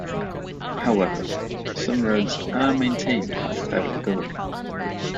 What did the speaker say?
However, some roads are maintained by the federal government.